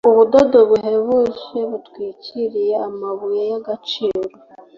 ubudodo buhebuje butwikiriye amabuye y'agaciro